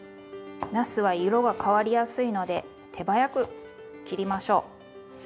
なすは色が変わりやすいので手早く切りましょう。